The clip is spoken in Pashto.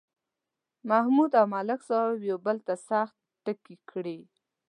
محمود او ملک صاحب یو بل ته سخت ټکي کړي.